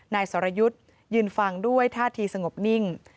นายสรยุทธ์ยืนฟังด้วยท่าทีสงบนิ่ง